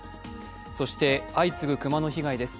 そして、相次ぐ熊の被害です。